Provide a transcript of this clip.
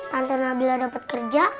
tante nabila dapat kerja